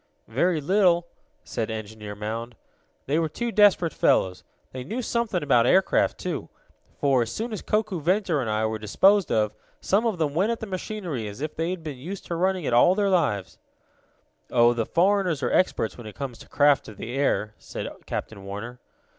"Very little," said Engineer Mound. "They were desperate fellows. They know something about aircraft, too. For, as soon as Koku, Ventor and I were disposed of, some of them went at the machinery as if they had been used to running it all their lives." "Oh, the foreigners are experts when it comes to craft of the air," said Captain Warner.